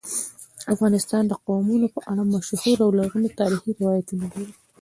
افغانستان د قومونه په اړه مشهور او لرغوني تاریخی روایتونه لري.